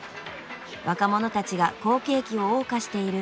若者たちが好景気を謳歌している